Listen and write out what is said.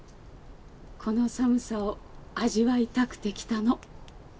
この寒さを味わいたくて来たの。